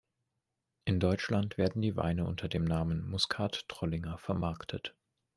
In Deutschland werden die Weine unter dem Namen Muskat-Trollinger vermarktet.